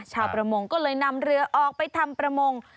ชาวประมงก็เลยนำเรือออกไปทำประมง